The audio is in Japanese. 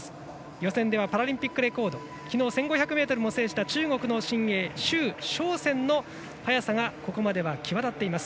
予選ではパラリンピックレコードきのう１５００ｍを制した中国の新鋭周召倩の速さがここまでは際立っています。